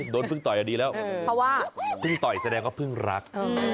เพิ่งต่อยดีแล้วเพราะว่าเพิ่งต่อยแสดงว่าเพิ่งรัก